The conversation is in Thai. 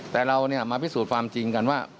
แต่เรามาพิสูจน์ความจริงกันว่า